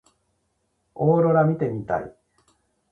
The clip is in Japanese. オーロラ見てみたい。